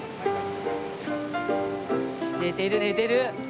寝てる寝てる。